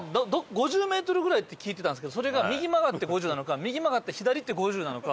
５０メートルぐらいって聞いてたんですけどそれが右曲がって５０なのか右曲がって左行って５０なのか。